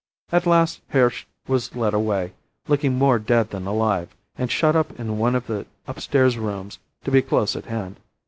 At last, Hirsch was led away, looking more dead than alive, and shut up in one of the upstairs rooms to be close at hand.